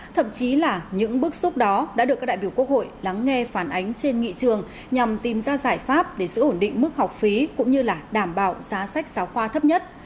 thậm chí là những bức xúc đó đã được các đại biểu quốc hội lắng nghe phản ánh trên nghị trường nhằm tìm ra giải pháp để giữ ổn định mức học phí cũng như là đảm bảo giá sách giáo khoa thấp nhất